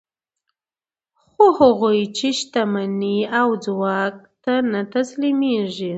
خو هغوی چې شتمنۍ او ځواک ته نه تسلیمېږي